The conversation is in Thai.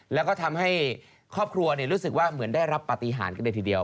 แล้วก็ทำให้ครอบครัวรู้สึกว่าเหมือนได้รับปฏิหารกันเลยทีเดียว